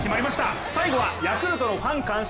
最後はヤクルトのファン感謝